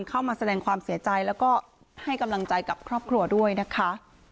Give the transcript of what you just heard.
เข้ามาแสดงความเสียใจแล้วก็ให้กำลังใจกับครอบครัวด้วยนะคะ